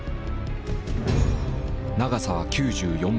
長さは９４ｍ。